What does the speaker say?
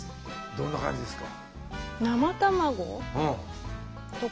どんな感じですか？